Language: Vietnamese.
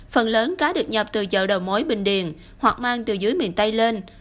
phần lớn cá được nhập từ chợ đầu mối bình điền hoặc mang từ dưới miền tây lên